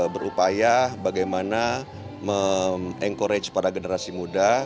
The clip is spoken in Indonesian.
berupaya bagaimana meng encourage para generasi muda